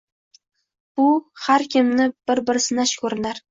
Bu — har kimni bir-bir sinash ko‘rinar.